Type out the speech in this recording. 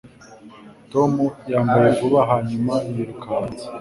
Tom yambaye vuba hanyuma yiruka hanze